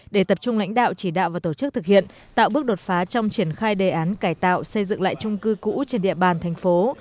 để tập trung lãnh đạo chỉ đạo và tổ chức thực hiện tạo bước đột phá trong triển khai đề án cải tạo xây dựng lại trung cư cũ trên địa bàn thành phố